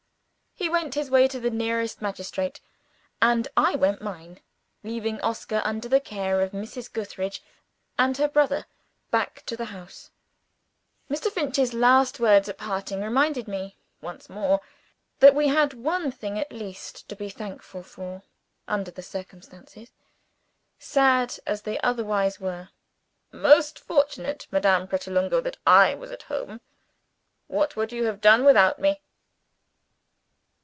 He went his way to the nearest magistrate. And I went mine leaving Oscar under the care of Mrs. Gootheridge and her brother back to the house. Mr. Finch's last words at parting reminded me, once more, that we had one thing at least to be thankful for under the circumstances sad as they otherwise were. "Most fortunate, Madame Pratolungo, that I was at home. What would you have done without me?"